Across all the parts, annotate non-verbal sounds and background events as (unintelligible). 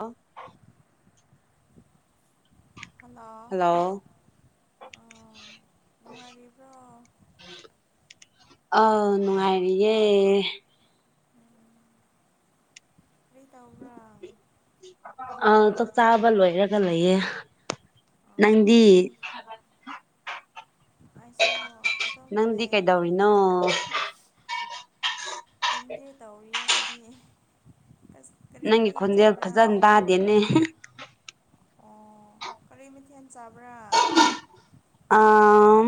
ꯑꯥ hello ꯑꯥ ꯅꯨꯡꯉꯥꯏꯔꯤꯕ꯭ꯔꯣ ꯑ ꯅꯨꯡꯉꯥꯏꯔꯤꯌꯦ ꯌ‌ꯦ ꯎꯝ ꯀꯔꯤ ꯇꯧꯕ꯭ꯔꯥ ꯑ ꯆꯥꯛ ꯆꯥꯕ ꯂ‌ꯣꯏꯔꯒ ꯒ ꯂꯩꯌꯦ ꯑꯥ ꯅꯪꯗꯤ ꯀꯔꯤ ꯑꯩꯁꯨ ꯑꯗꯨꯝ ꯅꯪꯗꯤ ꯂꯩꯌꯦ ꯀꯩꯗꯧꯔꯤꯅꯣ ꯇꯨꯝꯒꯦ ꯇꯧꯔꯤꯌꯦ ꯑꯩꯗꯤ ꯑꯁ ꯀꯔꯤ ꯅꯪꯒꯤ ꯃꯊꯦꯜ ꯈꯣꯟꯖꯦꯜ ꯆꯥꯕ꯭ꯔꯥ ꯐꯖꯅ ꯇꯥꯗꯦꯅꯦ ꯑꯣ ꯀꯔꯤ ꯃꯤꯊꯦꯟ ꯆꯥꯕ꯭ꯔꯥ ꯑꯥꯝ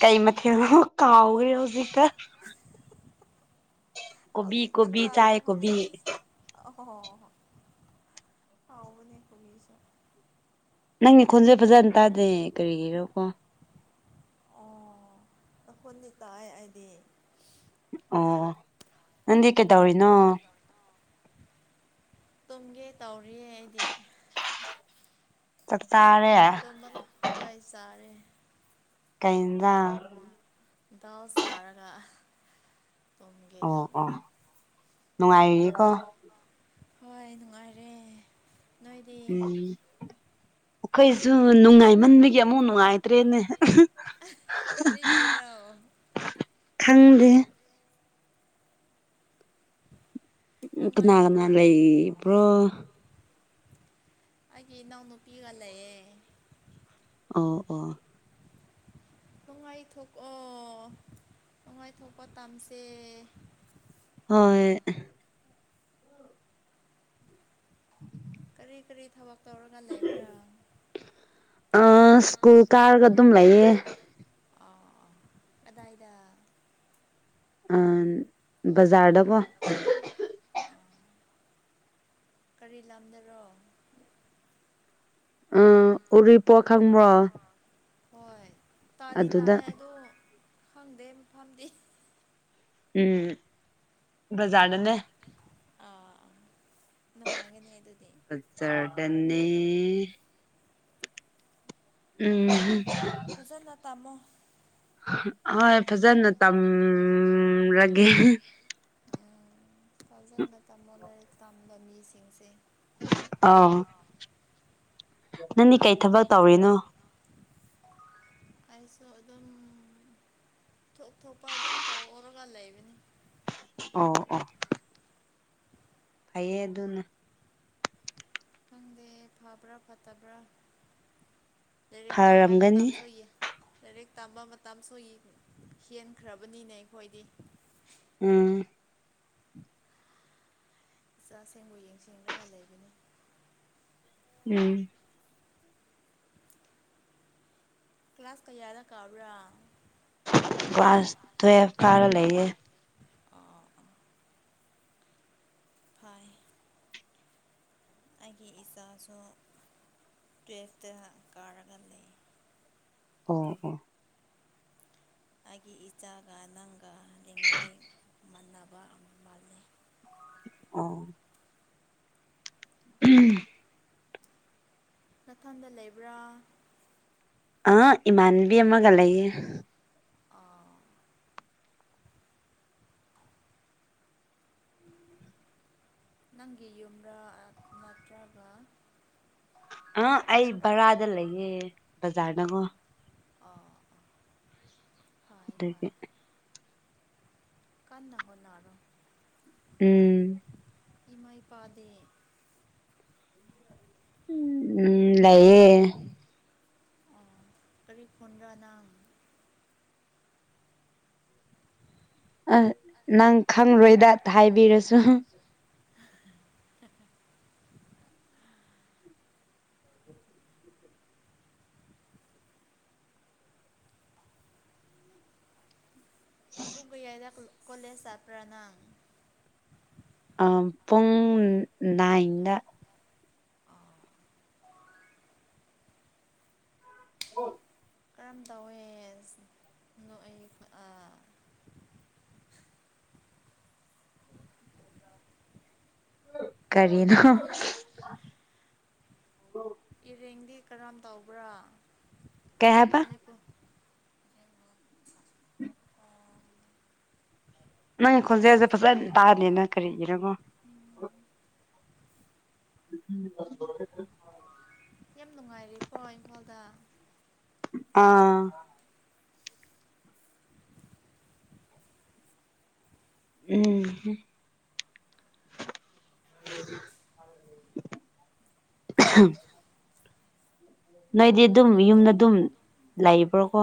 ꯀꯩ ꯃꯊꯦꯡ ꯀꯥꯎꯥꯎꯔꯦ ꯍꯧꯖꯤꯛꯛꯇ ꯀꯕꯤ ꯍꯧꯖꯤꯛꯀ ꯀꯧꯕ ꯆꯥꯀ ꯑꯣꯍꯣꯏ ꯄꯥꯎꯥꯎꯕ ꯀꯕꯤꯁ ꯅꯪꯅꯦ ꯈꯣꯟꯁꯦ ꯐꯖꯅ ꯇꯥꯗꯦ ꯀꯔꯤꯒꯤꯔꯣ ꯀꯣ ꯑꯣ ꯑꯩꯈꯣꯏꯗꯤ ꯇꯥꯏ ꯑꯩꯗꯤ ꯑꯣ ꯅꯗꯤ ꯀꯦ ꯇꯧꯔꯤꯅꯣ ꯇꯨꯝꯒꯦ ꯇꯧꯔꯤꯌꯦ ꯑꯩꯗꯤ ꯆꯥꯛ ꯆꯥꯔꯦ ꯇ ꯃ ꯍꯣꯏ ꯁꯔꯦ ꯀꯩꯗ ꯗꯥꯎ ꯆꯥꯔꯒ ꯇꯨꯝꯒꯦ ꯇꯧꯅ ꯅꯨꯡꯉꯥꯏꯔꯤꯌꯦꯀꯣ ꯍꯣꯏ ꯅꯨꯡꯉꯥꯏꯔꯦ ꯅꯣꯏꯗꯤ ꯎꯝ ꯑꯩꯈꯣꯏꯁꯨ ꯅꯨꯡꯉꯥꯏꯃꯟꯕꯒꯤ ꯑꯃꯨꯛ ꯅꯨꯡꯉꯥꯏ ꯠꯇ꯭ꯔꯦꯅꯦ ꯀꯔꯤꯒꯤꯔꯣ ꯈꯪꯗꯦ ꯎ ꯀꯅꯥ ꯀꯅꯥ ꯅꯨꯡꯉꯥꯏꯊꯣꯛꯑꯣ ꯂꯩ ꯑ ꯄꯨ꯭ꯔꯣ ꯍꯥꯏꯦ ꯏ ꯅꯎꯅ ꯅꯨ ꯄꯤꯒꯂꯌꯦꯦ ꯑꯣ ꯑꯣ ꯇꯣꯡꯉꯥꯏꯊꯣꯛꯑꯣ ꯇꯣꯡꯉꯥꯏꯊꯣꯛꯀꯣ ꯇꯝꯁꯦ ꯍꯣꯏ ꯎꯝ ꯀꯔꯤ ꯀꯔꯤ ꯊꯕ ꯑ ꯁ꯭ꯀꯨꯜ ꯀꯥꯔꯒꯗꯝ ꯂꯩꯌꯦ ꯑ ꯑ ꯑꯗꯥ ꯏꯗ ꯑꯝ ꯕꯖꯥꯔꯗꯕꯣ ꯀꯔꯤ ꯂꯝꯗꯔꯣ ꯑ ꯎꯔꯤꯄꯣ ꯈꯪꯕ꯭ꯔꯣ ꯍꯣꯏ ꯇꯥꯗꯤ ꯑꯗꯨꯗ ꯇꯥꯏ ꯑꯗꯨ ꯈꯪꯗꯦ ꯃꯐꯝꯗꯤ ꯎꯝ ꯖꯥꯅꯅꯦ ꯑꯥ ꯅꯨꯡꯉꯥꯏꯒꯅꯤ ꯑꯗꯨꯗꯤ ꯖꯥꯔꯗꯟꯅꯅꯤ ꯎꯝ ꯐꯖꯅ ꯇꯥꯝꯃꯣ ꯍꯣꯏ ꯐꯖꯅ ꯇꯝꯂꯒꯦ ꯐꯖꯕ ꯇꯥꯃꯣ ꯂꯥꯏꯔꯤꯛ ꯇꯝꯕ ꯃꯤꯁꯤꯡꯁꯦ ꯑ ꯅꯪꯒꯤ ꯀꯩ ꯑꯩꯈꯣꯏ ꯊꯕꯛ ꯇꯧꯔꯤꯅꯣ ꯑꯩꯁꯨ ꯑꯗꯨꯝ ꯊꯣꯛ ꯊ ꯊꯣꯛꯄ ꯑꯗꯨꯝ ꯇꯧꯔꯒ ꯂꯩꯕꯅꯤ ꯑꯣ ꯑꯣ ꯐꯌꯦ ꯑꯗꯨꯅ ꯈꯪꯗꯦ ꯐꯕ꯭ꯔꯥ ꯐꯠꯇꯕ꯭ꯔꯥ ꯂꯩꯔ ꯇꯥꯡꯕꯥ ꯃ ꯐꯔꯝꯒꯅꯤ ꯇꯥꯡꯁꯣꯏꯦ ꯂꯥꯏꯔꯤꯛ ꯇꯝꯕ ꯃꯇꯝꯁꯨꯣꯏ ꯍꯦꯟꯈ꯭ꯔꯕꯅꯤꯅꯦ ꯑꯩꯈꯣꯏꯗꯤ ꯎꯝ ꯆꯥꯁꯤꯡꯦꯡꯕꯨ ꯌꯦꯡ ꯁꯦꯡꯔꯒ ꯂꯩꯒꯅꯤ ꯎꯝ ꯀ꯭ꯂꯥꯁꯥꯁ ꯀꯌꯥꯗ ꯀꯥꯕ꯭ꯔꯥ ꯋꯥꯁ ꯇꯋꯦꯕ ꯀꯥꯔ ꯂꯩꯦ ꯑꯣ ꯐꯣꯏ ꯑꯩꯒꯤ ꯏꯆꯥꯁꯨ ꯇꯨꯋꯜꯐꯇ ꯀꯥꯔꯒ ꯂꯩ ꯑ ꯑ ꯑꯩꯒꯤ ꯏꯆꯥꯒ ꯅꯪꯒ ꯂꯦꯡꯒꯥꯏ ꯃꯕ ꯃꯥꯜꯂꯤ ꯑꯣ ꯑ ꯎꯝ ꯃꯊꯟꯗ ꯂꯩꯕ꯭ꯔꯥ ꯑ ꯏꯃꯥꯟꯕꯤ ꯑꯃ ꯑꯃꯒ ꯂꯩꯏꯦ ꯑꯥ ꯅꯪꯒꯤ ꯌꯨꯝꯔꯥ ꯅꯠꯇ꯭ꯔꯒ ꯑ ꯑꯩ ꯕꯔꯥꯗ ꯂꯩꯌꯦ ꯕꯖꯥꯔꯅꯒꯣ ꯑꯣ ꯑꯗꯨꯗꯒꯤ ꯀꯟꯅ ꯍꯣꯅꯔꯣ ꯎꯝ ꯏꯃꯥꯏ ꯄꯥꯗꯦ ꯎꯝ ꯂꯩꯌꯦꯑꯌꯦ ꯑ ꯇꯔꯤ ꯐꯣꯟ꯭ꯔ ꯅ ꯑ ꯅꯪ ꯈꯪꯂꯔꯣꯏꯗ ꯍꯥꯏꯕꯤꯔꯁꯨ ꯄꯨꯒ ꯌꯥꯗ ꯀꯣꯂꯦꯁꯄ꯭ꯔꯅꯥꯡ ꯄꯨꯡꯨꯡ ꯏꯒ ꯑꯥ ꯑꯣ ꯀꯔꯝ ꯇꯧꯏꯦ ꯅꯣꯛ ꯑꯩ (unintelligible) ꯀꯥꯔꯤꯅꯣ ꯏꯔꯦꯡꯗꯤ ꯀꯔꯝ ꯇꯧꯕ꯭ꯔꯥ ꯀꯩ ꯍꯥꯏꯕ ꯃꯅꯤꯄꯨꯔ ꯎ (unintelligible) ꯅꯪꯒꯤ ꯈꯣꯟꯖꯦꯜꯁꯦ ꯐꯖꯅ ꯇꯥꯗꯦꯅꯦ ꯀꯥꯔꯤꯒꯤꯅꯣ (unintelligible) ꯌꯥꯝ ꯅꯨꯡꯉꯥꯏꯔꯦꯀꯣ ꯏꯝꯐꯥꯜꯗ ꯑꯥ ꯎꯝ ꯍꯝ (unintelligible) (unintelligible) ꯅꯣꯏꯗꯤ ꯑꯗꯨꯝ ꯇꯨꯝ ꯌꯨꯝꯗ ꯑꯗꯨꯝ ꯂꯩꯕ꯭ꯔꯣꯀꯣ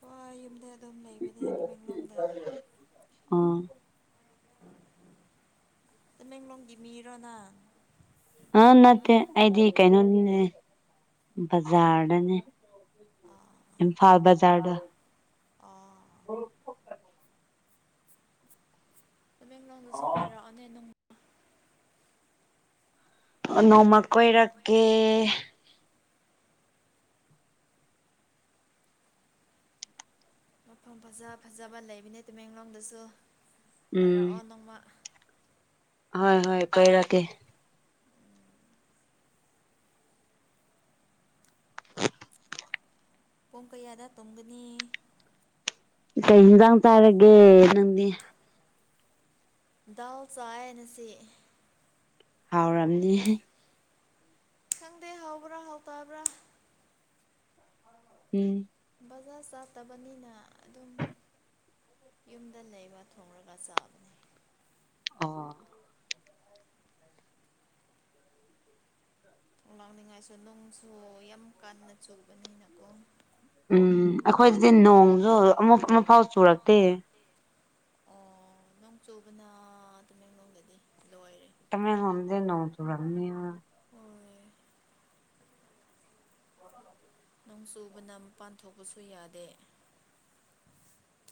ꯍꯣꯏ ꯌꯨꯝꯗ ꯑꯗꯨꯝ ꯂꯩꯕꯅꯦ ꯇꯃꯦꯡꯂꯣꯡꯗ ꯑꯥ (unintelligible) ꯇꯥꯃꯦꯡꯂꯣꯡꯒꯤ ꯃꯤꯔꯣ ꯅꯪ ꯑ ꯅꯠꯇꯦ ꯑꯩꯗꯤ ꯀꯩꯅꯣ ꯅꯤꯅꯦ ꯕꯖꯥꯔꯗꯅꯦ ꯏꯝꯐꯥꯜ ꯕꯖꯥꯔꯗ ꯑ (unintelligible) ꯑꯣ (unintelligible) ꯇꯥꯃꯦꯡꯂꯣꯡꯗꯁꯨ ꯀꯣꯏꯔꯑꯣ ꯅꯦ ꯅꯪ ꯑꯣ ꯅꯣꯡꯃꯥ ꯀꯣꯏꯔꯛꯀꯦ ꯃꯥꯐꯝ ꯐꯖ ꯐꯖꯕ ꯂꯩꯕꯅꯦ ꯇꯥꯃꯦꯡꯂꯣꯡꯗꯁꯨ ꯎꯝ ꯀꯣꯏꯔꯛꯑꯣ ꯅꯣꯡꯃꯥ ꯍꯣꯏ ꯍꯣꯏ ꯀꯣꯏꯔꯛꯀꯦ ꯄꯨꯡ ꯀꯌꯥꯗ ꯇꯨꯝꯒꯅꯤ ꯀꯩ ꯏꯟꯖꯥꯡ ꯆꯥꯔꯒꯦ ꯅꯪꯗꯤ ꯗꯥꯜ ꯆꯥꯏꯌꯦ ꯉꯥꯁꯤ ꯍꯥꯎꯔꯝꯅꯤꯍꯦ ꯈꯪꯗꯦ ꯍꯥꯎꯕ꯭ꯔꯥ ꯍꯥꯎꯇꯕ꯭ꯔꯥ ꯎꯝ ꯕꯥꯖꯥꯔ ꯆꯥꯠꯇꯕꯅꯤꯅ ꯑꯗꯨꯝ ꯌꯨꯝꯗ ꯂꯩꯕ ꯊꯣꯡꯂꯒ ꯆꯥꯕꯅꯦ ꯑꯣ ꯂꯥꯛꯅꯤꯡꯉꯥꯏꯁꯨ ꯅꯨꯡꯁꯨ ꯌꯥꯝ ꯀꯥꯟꯟꯅ ꯆꯨꯕꯥꯅꯦ ꯎꯝ ꯑꯩꯈꯣꯏꯗꯗꯤ ꯅꯣꯡꯖꯨ ꯑꯃ ꯑꯃ ꯐꯥꯎꯕ ꯆꯨꯔꯛꯇꯦ ꯑꯣ ꯅꯣꯡ ꯆꯨꯕꯥꯅ ꯇꯥꯃꯦꯡꯂꯣꯡꯗꯗꯤ ꯂꯣꯏꯔꯦ ꯇꯥꯃꯦꯡꯂꯣꯡꯗꯗꯤ ꯅꯣꯡ ꯆꯨꯔꯝꯅꯤꯉꯣ ꯍꯣꯏ (inaudible) ꯅꯣꯡ ꯆꯨꯕꯥꯅ ꯃꯄꯥꯟ ꯊꯣꯛꯄꯁꯨ ꯌꯥꯗꯦ